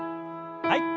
はい。